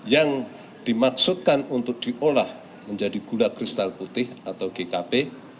yang dimaksudkan untuk diolah menjadi gula kristal putih atau gkp